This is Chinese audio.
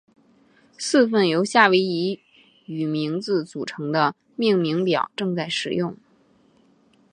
四份由夏威夷语名字组成的命名表正在使用。